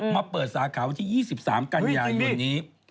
มาเปิดสาขาวันที่๒๓กันยายนนี้